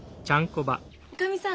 おかみさん